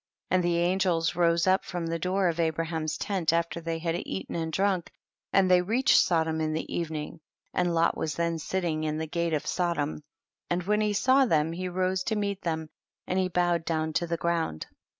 4t>. And the angels rose up from the door of Abraham's tent, after they had eaten and dnmk, and they reached Sodom in the evening, and Lot was then sitting in the gate of Sodom, and when he saw them he rose to meet them and he bowed down to the groimd.